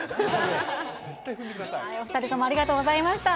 お２人ともありがとうございました。